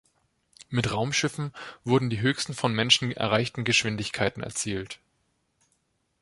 Mit Raumschiffen wurden die höchsten von Menschen erreichten Geschwindigkeiten erzielt.